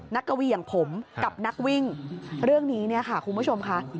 กะวีอย่างผมกับนักวิ่งเรื่องนี้เนี่ยค่ะคุณผู้ชมค่ะ